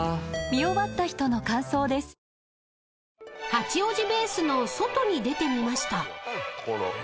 ［八王子ベースの外に出てみました］